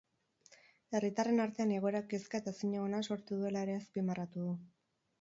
Herritarren artean egoerak kezka eta ezinegona sortu duela ere azpimarratu du.